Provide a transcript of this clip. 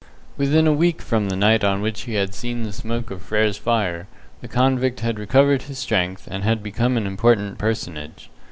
Within a week from the night on which he had seen the smoke of Frere's fire, the convict had recovered his strength, and had become an important personage.